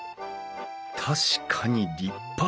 確かに立派。